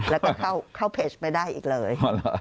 แล้วก็เข้าเพจไม่ได้อีกเลย